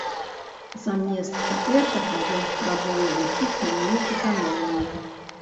Замест гэтага ён спрабуе вучыць мяне эканоміі.